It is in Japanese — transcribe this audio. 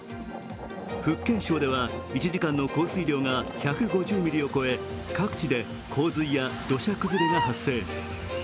福建省では１時間の降水量が１５０ミリを超え各地で洪水や土砂崩れが発生。